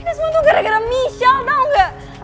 ini semua tuh gara gara michelle tau gak